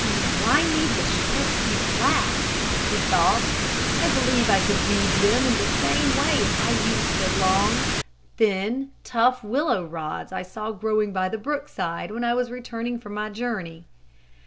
"Why need the strips be flat?" he thought. "I believe I could weave them in the same way if I used the long, thin, tough willow rods I saw growing by the brookside, when I was returning from my journey."